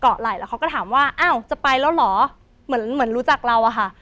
ไหล่แล้วเขาก็ถามว่าอ้าวจะไปแล้วเหรอเหมือนเหมือนรู้จักเราอะค่ะ